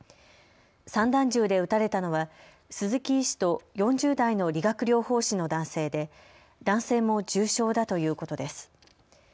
散弾銃で撃たれたのは鈴木医師と４０代の理学療法士の男性で男性も重傷だということです。